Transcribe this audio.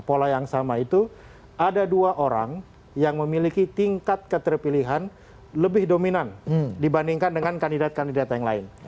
pola yang sama itu ada dua orang yang memiliki tingkat keterpilihan lebih dominan dibandingkan dengan kandidat kandidat yang lain